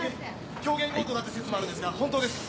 狂言強盗なんて説もあるんですが本当ですか？